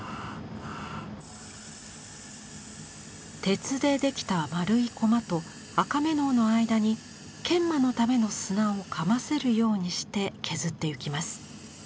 鉄でできた丸いコマと赤瑪瑙の間に研磨のための砂をかませるようにして削ってゆきます。